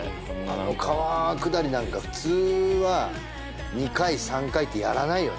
川下りなんか普通は２回３回ってやらないよ